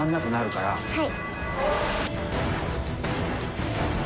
はい。